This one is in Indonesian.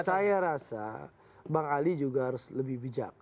saya rasa bang ali juga harus lebih bijak